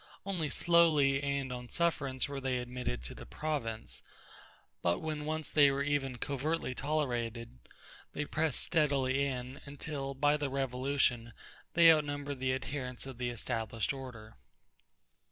Only slowly and on sufferance were they admitted to the province; but when once they were even covertly tolerated, they pressed steadily in, until, by the Revolution, they outnumbered the adherents of the established order.